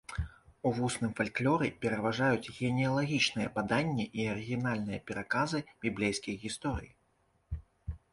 У вусным фальклоры пераважаюць генеалагічныя паданні і арыгінальныя пераказы біблейскіх гісторый.